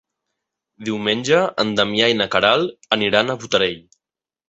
Diumenge en Damià i na Queralt aniran a Botarell.